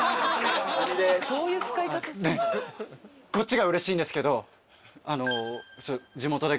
こっちがうれしいんですけど。